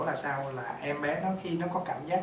là sao là em bé khi nó có cảm giác